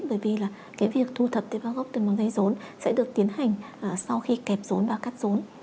bởi vì là cái việc thu thập tế bảo gốc từ giấy rốn sẽ được tiến hành sau khi kẹp rốn và cắt rốn